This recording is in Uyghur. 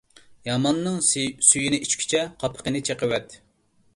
ياماننىڭ سۈيىنى ئىچكۈچە، قاپىقىنى چېقىۋەت.